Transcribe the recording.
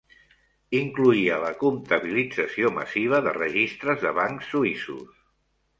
Incloïa la comptabilització massiva de registres de bancs suïssos.